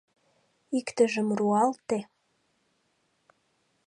Иктыжым руалте!